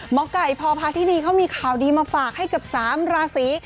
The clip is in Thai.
หมอไก่พพาธินีเขามีข่าวดีมาฝากให้กับ๓ราศี